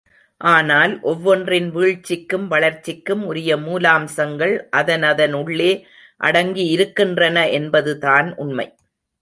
ஆனால், ஒவ்வொன்றின் வீழ்ச்சிக்கும், வளர்ச்சிக்கும் உரிய மூலாம்சங்கள், அதனதன் உள்ளே அடங்கி இருக்கின்றன என்பதுதான் உண்மை.